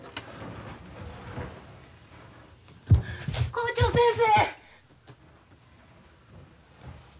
校長先生！